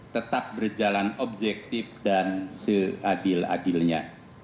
tetap berjalan objektif dan seadil adilnya